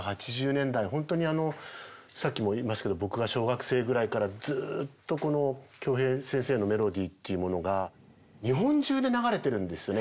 本当にさっきも言いましたけど僕が小学生ぐらいからずっとこの京平先生のメロディーっていうものが日本中で流れてるんですよね。